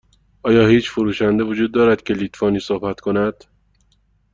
آیا هیچ فروشنده وجود دارد که لیتوانی صحبت کند؟